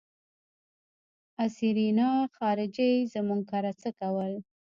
آ سېرېنا خارجۍ زموږ کره څه کول.